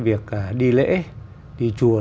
việc đi lễ đi chùa